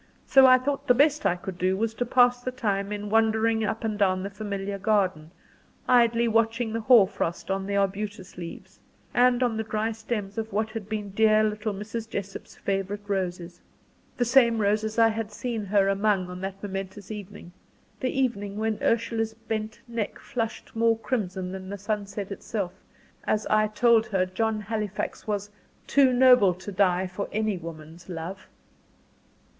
So I thought the best I could do was to pass the time in wandering up and down the familiar garden, idly watching the hoar frost on the arbutus leaves, and on the dry stems of what had been dear little Mrs. Jessop's favourite roses the same roses I had seen her among on that momentous evening the evening when Ursula's bent neck flushed more crimson than the sunset itself, as I told her John Halifax was "too noble to die for any woman's love."